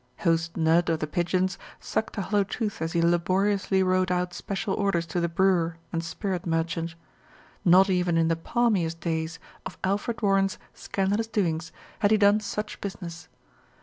Host Nudd of The Pigeons sucked a hollow tooth as he laboriously wrote out special orders to the brewer and spirit merchant. Not even in the palmiest days of Alfred Warren's scandalous doings had he done LITTLE BILSTEAD GOES TO CHURCH 165 such business.